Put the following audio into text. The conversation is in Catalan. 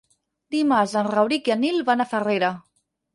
Dimarts en Rauric i en Nil van a Farrera.